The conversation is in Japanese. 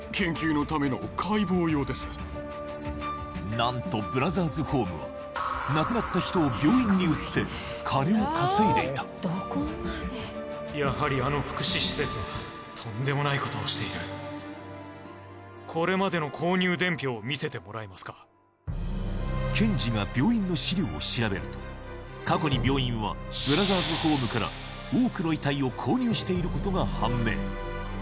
何とブラザーズホームは亡くなった人を病院に売って金を稼いでいたこれまでの購入伝票を見せてもらえますか検事が病院の資料を調べると過去に病院はブラザーズホームから多くの遺体を購入していることが判明